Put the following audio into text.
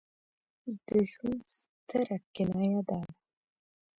د ژوند ستره کنایه دا ده.